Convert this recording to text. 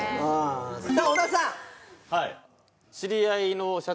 さぁ小田さん。